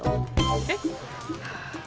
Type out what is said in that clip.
えっ？